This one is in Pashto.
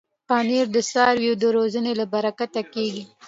پنېر د څارویو روزنې له برکته کېږي.